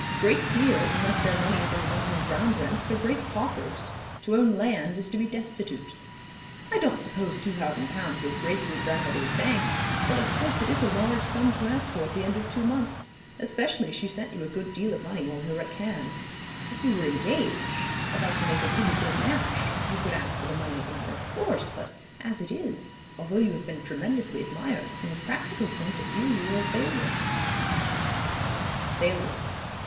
Great peers, unless their money is in London ground rents, are great paupers. To own land is to be destitute. I don't suppose two thousand pounds will break your grandmother's bank; but of course it is a large sum to ask for at the end of two months; especially as she sent you a good deal of money while we were at Cannes. If you were engaged about to make a really good match you could ask for the money as a matter of course; but as it is, although you have been tremendously admired, from a practical point of view you are a failure.' A failure.